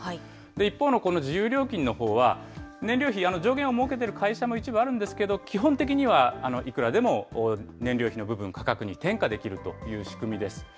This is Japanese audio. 一方のこの自由料金のほうは、燃料費、上限を設けてる会社も一部あるんですけど、基本的にはいくらでも燃料費の部分、価格に転嫁できるという仕組みです。